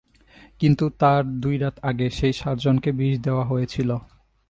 কিন্তু তার দুইরাত আগে, সেই সার্জনকে বিষ দেওয়া হয়েছিল।